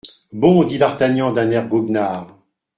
Bon ! dit d'Artagnan d'un air goguenard.